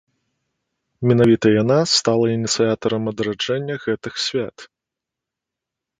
Менавіта яна стала ініцыятарам адраджэння гэтых свят.